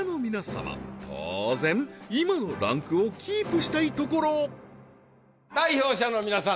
当然今のランクをキープしたいところ代表者の皆さん